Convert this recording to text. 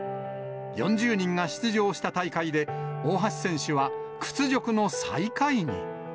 ４０人が出場した大会で、大橋選手は屈辱の最下位に。